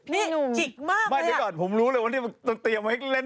นี่จกมากเลยอะ